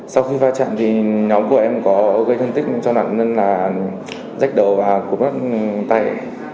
sau khi phá trận thì nhóm của em có gây thân tích cho nặng nên là rách đầu và cụm rắt tay